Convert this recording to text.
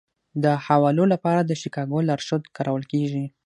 د حوالو لپاره د شیکاګو لارښود کارول کیږي.